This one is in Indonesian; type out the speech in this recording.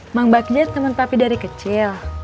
emang bahagia temen papi dari kecil